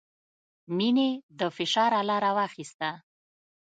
مينې د فشار اله راواخيسته.